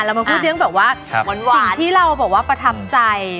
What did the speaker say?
เรามาพูดเรื่องแบบว่าสิ่งที่เราบอกว่าประทับใจ